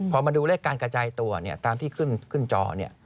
พอมาดูเลขการกระจายตัวตามที่ขึ้นจอเนี่ย